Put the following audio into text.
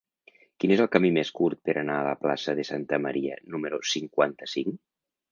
Quin és el camí més curt per anar a la plaça de Santa Maria número cinquanta-cinc?